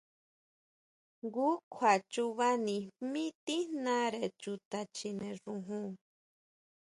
Jngu kjua chubanijmí tíjnare chuta chjine xojon.